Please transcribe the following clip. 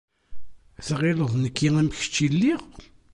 Tɣileḍ nekk am kečč i lliɣ!